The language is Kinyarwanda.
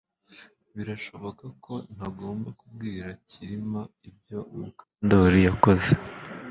Birashoboka ko ntagomba kubwira Kirima ibyo Mukandoli yakoze